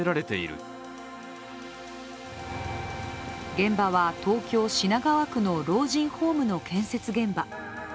現場は、東京・品川区の老人ホームの建設現場。